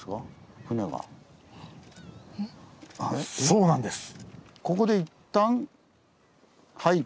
そうなんです！